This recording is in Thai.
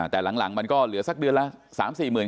แต่หลังมันก็เหลือสักเดือนละ